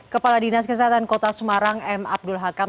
kepala dinas kesehatan kota semarang m abdul hakam